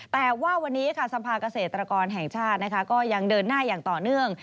แต่ว่าวันนี้ค่ะสภาเกษตรกรแห่งชาติก็ยังเดินหน้าอย่างต่อเนื่อง